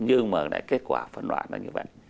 nhưng mà kết quả phân loạn là như vậy